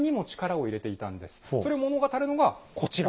それを物語るのがこちら。